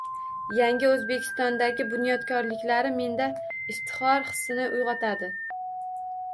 Yangi O‘zbekistondagi bunyodkorliklari menda iftixor hissini uyg‘otadi